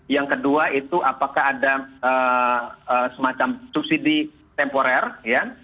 yang kedua itu apakah ada semacam subsidi temporer ya